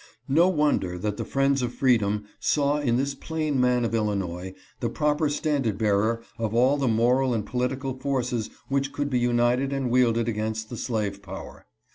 No wonder that the friends of freedom saw in this plain man of Illinois the proper standard bearer of all the moral and political forces which could be united and wielded against the slave power.